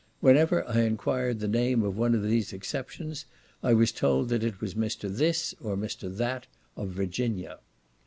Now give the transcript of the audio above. Whenever I enquired the name of one of these exceptions, I was told that it was Mr. This, or Mr. That, of Virginia.